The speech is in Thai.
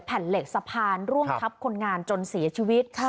แผ่นเหล็กสะพานร่วงทับคนงานจนเสียชีวิต